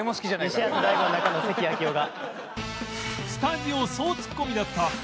西畑大吾の中の関暁夫が。